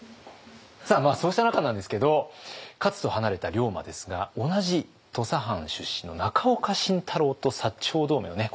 そうした中なんですけど勝と離れた龍馬ですが同じ土佐藩出身の中岡慎太郎と長同盟をね